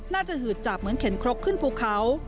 หืดจับเหมือนเข็นครกขึ้นภูเขา